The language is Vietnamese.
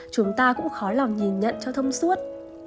chúng ta cũng khó lòng nhìn nhận cho thông suốt